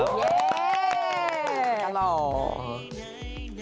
สวัสดีค่ะเรือนขวานพล็อกซี่ค่ะ